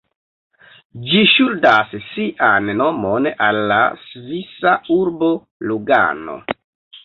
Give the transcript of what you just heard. Ĝi ŝuldas sian nomon al la svisa urbo Lugano.